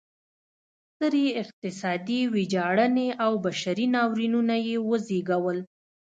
سترې اقتصادي ویجاړنې او بشري ناورینونه یې وزېږول.